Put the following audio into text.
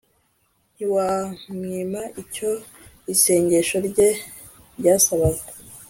ntiwamwima icyo isengesho rye ryasabaga